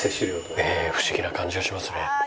ええ不思議な感じがしますね。